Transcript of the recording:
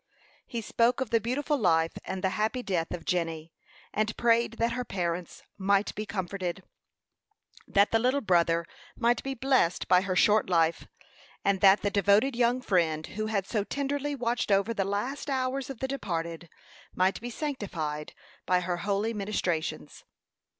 He spoke of the beautiful life and the happy death of Jenny, and prayed that her parents might be comforted; that the little brother might be blessed by her short life, and that "the devoted young friend, who had so tenderly watched over the last hours of the departed," might be sanctified by her holy ministrations.